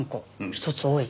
１つ多い。